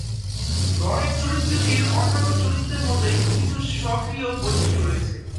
রনের চরিত্রটির অন্যান্য চরিত্রের মতই কিছু স্বকীয় বৈশিষ্ট্য রয়েছে।